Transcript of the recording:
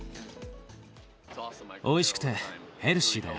おいしくてヘルシーだよ。